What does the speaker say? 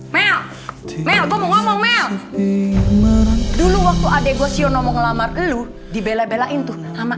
mel mel gua ngomong mel dulu waktu adek gua sion omong lamar lu dibele belein tuh sama